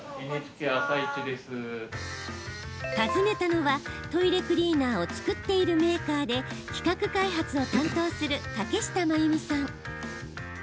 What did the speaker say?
訪ねたのはトイレクリーナーを作っているメーカーで企画開発を担当する竹下真由美さん。